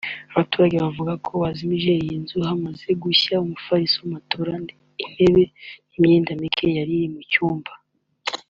Abaturage bavuga ko bazimije iyi nzu hamaze gushya umufariso (matelas) intebe n’imyenda mike byari mu cyumba